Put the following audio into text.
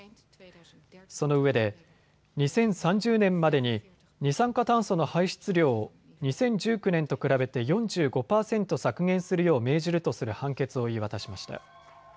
そのうえで２０３０年までに二酸化炭素の排出量を２０１９年と比べて４５％削減するよう命じるとする判決を言い渡しました。